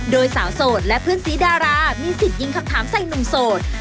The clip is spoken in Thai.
โดยสาวโสดและเพื่อนสีดารามีสิทธิ์ยิงคำถามใส่หนุ่มโสด